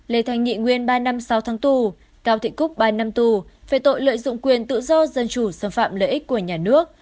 lê thanh nghị nguyên ba năm sáu tháng tù cao thị cúc ba năm tù về tội lợi dụng quyền tự do dân chủ xâm phạm lợi ích của nhà nước